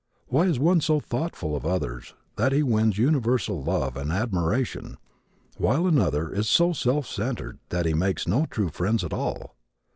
Why is one so thoughtful of others that he wins universal love and admiration while another is so self centered that he makes no true friends at all?